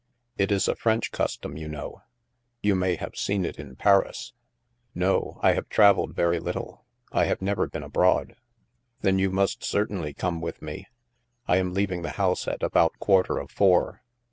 It is a French custom, you know. You may have seen it in Paris ?'*" No, I have traveled very little. I have never been abroad." " Then you must certainly come with me. I am leaving the house at about quarter of four.'